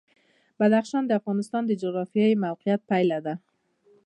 بدخشان د افغانستان د جغرافیایي موقیعت پایله ده.